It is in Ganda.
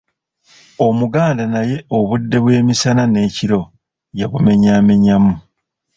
Omuganda naye obudde bw'emisana n’ekiro yabumenyaamenyamu